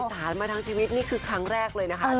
สารมาทั้งชีวิตนี่คือครั้งแรกเลยนะคะ